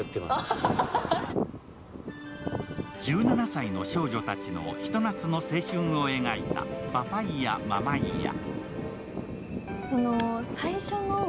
１７歳の少女たちの一夏の青春を描いた「パパイヤ・ママイヤ」。